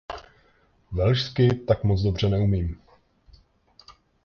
Velšsky tak moc dobře neumím.